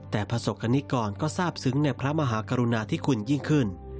แต่ประสบกรณิกรก็ทราบซึ้งในพระมหากรุณาธิคุณยิ่งขึ้น